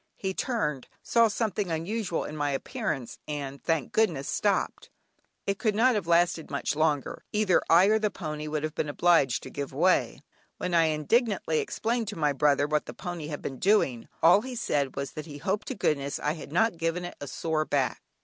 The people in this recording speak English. He turned, saw something unusual in my appearance, and, thank goodness! stopped. It could not have lasted much longer; either I or the pony would have been obliged to give way. When I indignantly explained to my brother what the pony had been doing, all he said was that he hoped to goodness I had not given it a sore back.